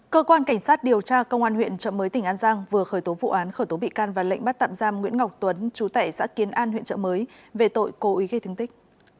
cơ quan cảnh sát điều tra công an huyện trợ mới tỉnh an giang vừa khởi tố vụ án khởi tố bị can và lệnh bắt tạm giam nguyễn ngọc tuấn chú tẻ giã kiến an huyện trợ mới về tội cố ý gây thương tích